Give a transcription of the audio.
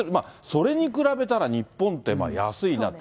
それに比べたら日本って安いな。